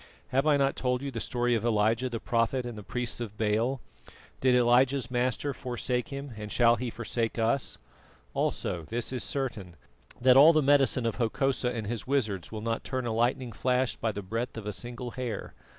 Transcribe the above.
Have I not told you the story of Elijah the prophet and the priests of Baal? Did Elijah's Master forsake him, and shall He forsake us? Also this is certain, that all the medicine of Hokosa and his wizards will not turn a lightning flash by the breadth of a single hair.